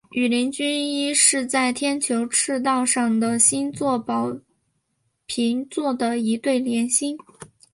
羽林军一是在天球赤道上的星座宝瓶座的一对联星。